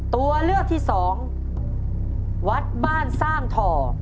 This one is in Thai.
ตัวเลือกที่สองวัดบ้านสร้างทอ